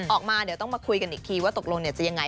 ออกมาเดี๋ยวต้องมาคุยกันอีกทีว่าตกลงจะยังไง